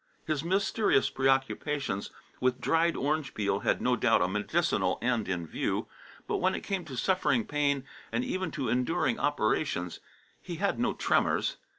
His mysterious preoccupations with dried orange peel had no doubt a medicinal end in view. But when it came to suffering pain and even to enduring operations, he had no tremors.